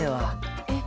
えっ？